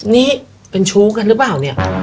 นี่เป็นชู้กันหรือเปล่าเนี่ย